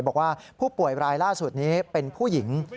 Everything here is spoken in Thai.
บอกว่าผู้ป่วยรายล่าสุดนี้เป็นผู้หญิง